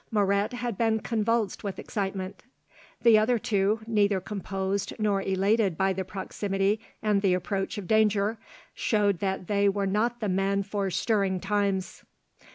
Moret had been convulsed with excitement. The other two, neither composed nor elated by the proximity and the approach of danger, showed that they were not the men for stirring times.